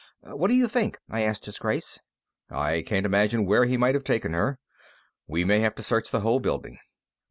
"What do you think?" I asked His Grace. "I can't imagine where he might have taken her. We may have to search the whole building."